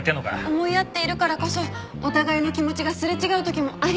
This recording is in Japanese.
思い合っているからこそお互いの気持ちがすれ違う時もありますって。